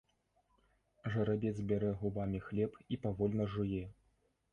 Жарабец бярэ губамі хлеб і павольна жуе.